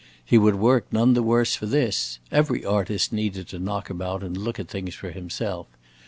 He would work none the worse for this; every artist needed to knock about and look at things for himself.